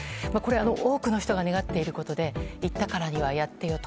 多くの人が願っていることで言ったからには、やってよと。